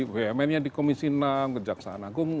bumn nya di komisi enam kejaksaan agung